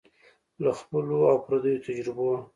له خپلو او پردیو تجربو